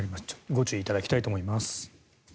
ご注意いただきたいと思います。